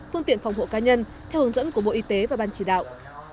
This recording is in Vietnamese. phương tiện phòng hộ cá nhân theo hướng dẫn của bộ y tế và ban chỉ đạo